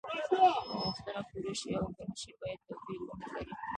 که غوښتنه پوره شي او که نشي باید توپیر ونلري.